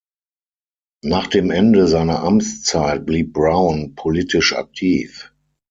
Nach dem Ende seiner Amtszeit blieb Brown politisch aktiv.